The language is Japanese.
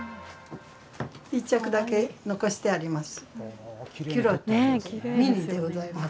１着だけ残してあります。